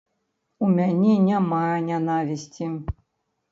У мяне няма нянавісці.